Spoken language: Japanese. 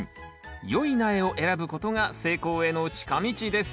よい苗を選ぶことが成功への近道です。